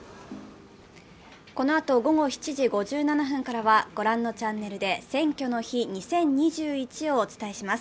このあと午後７時５７分からは御覧のチャンネルで「選挙の日２０２１」をお伝えします。